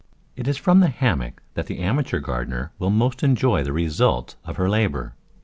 It is from the hammock that the amateur gardener will most enjoy the results of her labour.